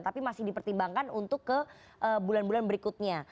tapi masih dipertimbangkan untuk ke bulan bulan berikutnya